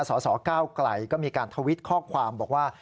สสเก้าไกลก็มีการทวิตข้อความบอกว่า